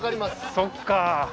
そっか。